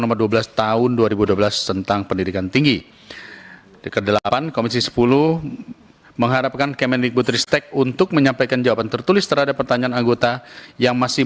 enam mendesak kementerian kementerian kementerian kementerian tristek ri untuk menyesuaikan kondisi ekonomi mahasiswa sesuai alasan